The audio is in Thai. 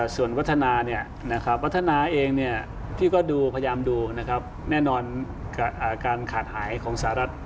ส่วนวัฒนาเองพี่ก็ดูพยายามดูแน่นอนการขาดหายของสหรัฐ